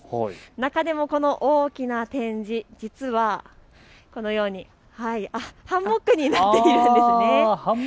中でも大きな展示、実はこのようにハンモックになっているんです。